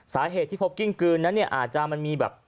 สาเหตุที่พบกิ้งกลืนนั้นเนี่ยอาจจะมันมีแบบ